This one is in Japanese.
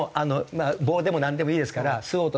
棒でもなんでもいいですから巣を落とす。